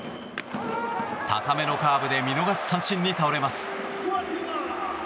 高めのカーブで見逃し三振に倒れます。